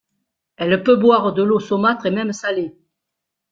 Elle peut boire de l’eau saumâtre et même salée.